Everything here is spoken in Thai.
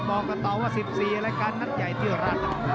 อาบบอกกันต่อว่าอันที่๑๔มันจะรัก